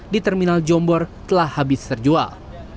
di terminal jombor telah habis terjual